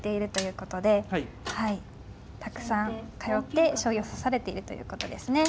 たくさん通って将棋を指されているということですね。